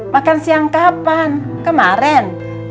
makan siang kapan kemaren